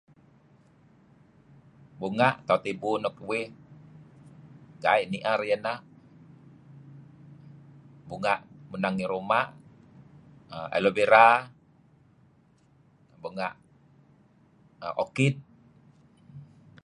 Bungah tauh nibu nuk uih ga'ih niar iyah nah bungah pangah ngi rumah[aah] aloe vera bungah[aah] okid